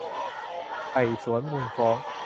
ไต่สวนมูลฟ้อง